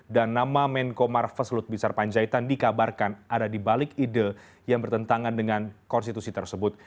dan nama menko marfes lutbisar panjaitan dikabarkan ada dibalik ide yang bertentangan dengan konstitusi tersebut